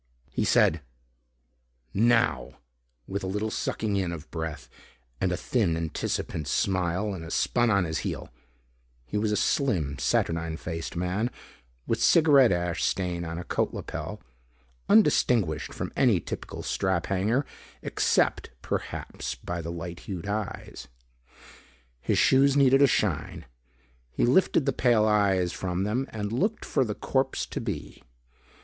He said "Now" with a little sucking in of breath and a thin anticipant smile and spun on his heel. He was a slim saturnine faced man with cigaret ash stain on a coat lapel. Undistinguished from any typical strap hanger except perhaps by the light hued eyes. His shoes needed a shine. He lifted the pale eyes from them and looked for the corpse to be.